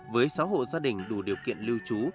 với sáu hộ gia đình đủ điều kiện lưu trú